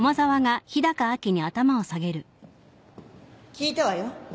聞いたわよ。